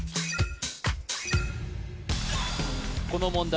この問題